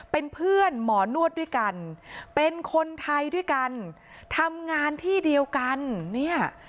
เป็นเพื่อนหมอนวดด้วยกันเป็นคนไทยด้วยกันทำงานที่เดียวกันเนี่ย